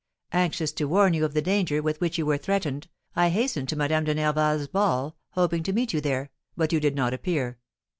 Anxious to warn you of the danger with which you were threatened, I hastened to Madame de Nerval's ball, hoping to meet you there, but you did not appear.